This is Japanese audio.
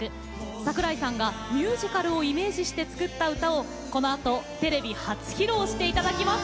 桜井さんがミュージカルをイメージして作った歌をこのあとテレビ初披露していただきます。